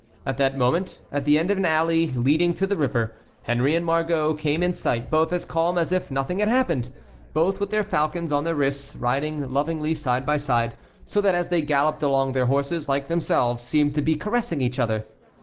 At that moment, at the end of an alley leading to the river, Henry and Margot came in sight, both as calm as if nothing had happened; both with their falcons on their wrists, riding lovingly side by side, so that as they galloped along their horses, like themselves, seemed to be caressing each other.